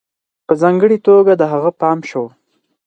په ځانگړي توگه د هغه پام شو